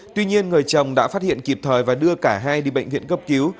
tuy nhiên người chồng đã phát hiện kịp thời và đưa cả hai đi bệnh viện cấp cứu